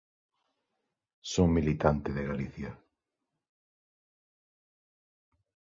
Son militante de Galicia.